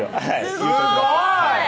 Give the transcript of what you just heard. すごい！